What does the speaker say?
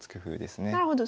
なるほど。